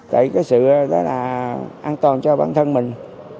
tại cái sự đó là an toàn cho bản thân mình